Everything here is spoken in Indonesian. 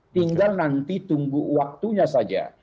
tinggal nanti tunggu waktunya saja